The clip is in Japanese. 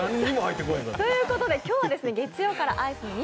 今日は月曜からアイスの映え